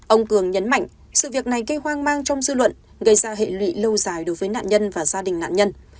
ông cường nhấn mạnh sự việc này gây hoang mang trong dư luận gây ra hệ lụy lâu dài đối với nạn nhân và gia đình nạn nhân